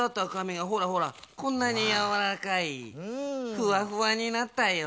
ふわふわになったよ。